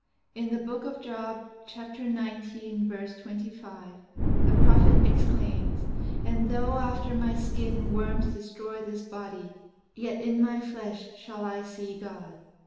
In the Book of Job (Chap, xix, v. 25) the prophet exclaims: "And though after my skin worms destroy this body, yet in my flesh shall I see God."